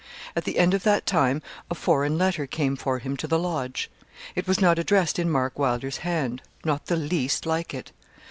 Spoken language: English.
At the end of that time a foreign letter came for him to the Lodge. It was not addressed in Mark Wylder's hand not the least like it.